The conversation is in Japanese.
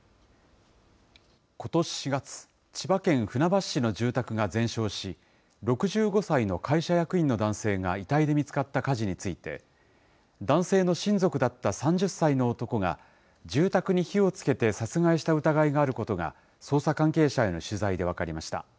ことし４月、千葉県船橋市の住宅が全焼し、６５歳の会社役員の男性が遺体で見つかった火事について、男性の親族だった３０歳の男が、住宅に火をつけて殺害した疑いがあることが、捜査関係者への取材で分かりました。